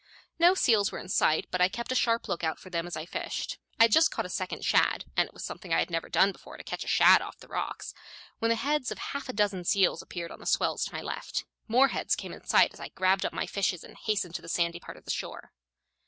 No seals were in sight, but I kept a sharp lookout for them as I fished. I had just caught a second shad and it was something I had never done before, to catch a shad off the rocks when the heads of half a dozen seals appeared on the swells to my left. More heads came in sight as I grabbed up my fishes and hastened to the sandy part of the shore.